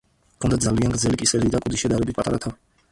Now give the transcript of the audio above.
ჰქონდათ ძალიან გრძელი კისერი და კუდი, შედარებით პატარა თავი.